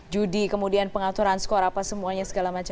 judi kemudian pengaturan skor apa semuanya segala macam